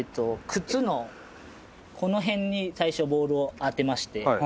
靴のこの辺に最初ボールを当てまして。